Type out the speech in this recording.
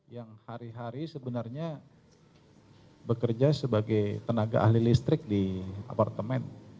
yang hari hari sebenarnya bekerja sebagai tenaga ahli listrik di apartemen